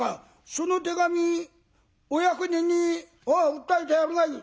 「その手紙お役人に訴えてやるがいい」。